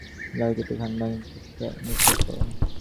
ধারণা করা হচ্ছে, দুর্বৃত্তরা হত্যা করে লাশ দুটি ধানখেতে নিক্ষেপ করে।